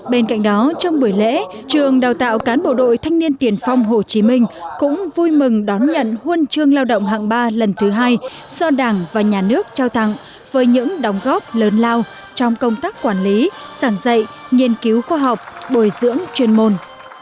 bên cạnh đó trong buổi lễ trường đào tạo cán bộ đội thanh niên tiền phong hồ chí minh cũng vui mừng đón nhận huân chương lao động hạng ba lần thứ hai do đảng và nhà nước trao tặng với những đóng góp lớn lao trong công tác quản lý sảng dạy nghiên cứu khoa học bồi dưỡng chuyên môn